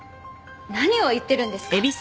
何を言ってるんですか？